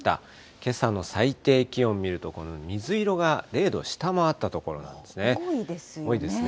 けさの最低気温見ると、この水色が０度下回った所ですね。